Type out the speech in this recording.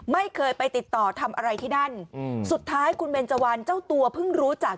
ไม่เคยไปติดต่อทำอะไรที่นั่นอืมสุดท้ายคุณเบนเจวันเจ้าตัวเพิ่งรู้จัก